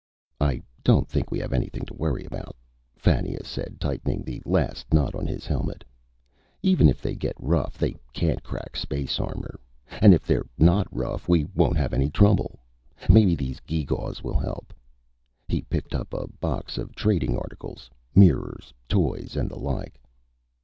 "I don't think we have anything to worry about," Fannia said, tightening the last nut on his helmet. "Even if they get rough, they can't crack space armor. And if they're not rough, we won't have any trouble. Maybe these gewgaws will help." He picked up a box of trading articles mirrors, toys and the like.